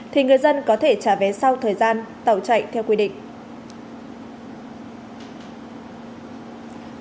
thì người dân có thể trả vé sau thời gian tàu chạy theo quy định